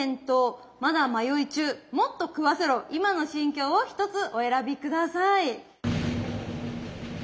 今の心境を１つお選び下さい。